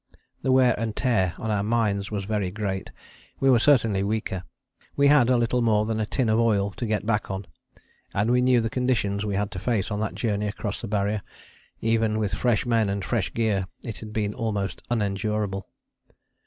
The wear and tear on our minds was very great. We were certainly weaker. We had a little more than a tin of oil to get back on, and we knew the conditions we had to face on that journey across the Barrier: even with fresh men and fresh gear it had been almost unendurable.